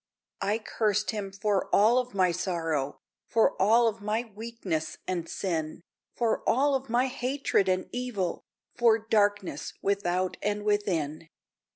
I cursed Him for all of my sorrow, For all of my weakness and sin, For all of my hatred and evil, For darkness without and within.